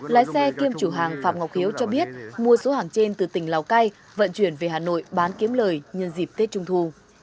lái xe kiêm chủ hàng phạm ngọc hiếu cho biết mua số hàng trên từ tỉnh lào cai vận chuyển về hà nội bán kiếm lời nhân dịp tết trung thu